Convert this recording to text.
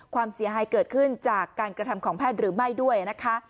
ความเสียหายเกิดขึ้นจากการกระทำของแพทย์หรือไม่ด้วยนะคะ